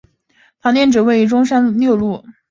店址位于中山六路。